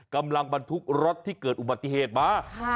บรรทุกรถที่เกิดอุบัติเหตุมา